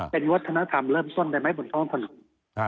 เป็นวัฒนธรรมเริ่มส้นได้ไหมบริษัทบริษัทบริษัท